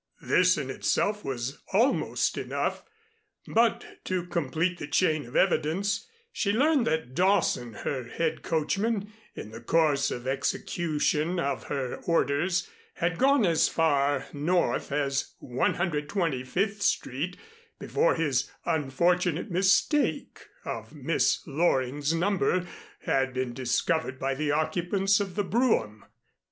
This in itself was almost enough, but to complete the chain of evidence, she learned that Dawson, her head coachman, in the course of execution of her orders, had gone as far North as 125th Street before his unfortunate mistake of Miss Loring's number had been discovered by the occupants of the brougham.